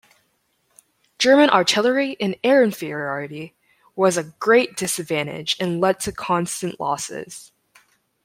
German artillery and air inferiority was a great disadvantage and led to constant losses.